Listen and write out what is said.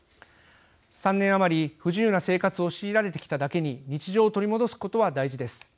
３年余り不自由な生活を強いられてきただけに日常を取り戻すことは大事です。